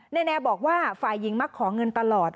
เนนแอร์บอกว่าฝ่ายหญิงมาขอเงินตลอด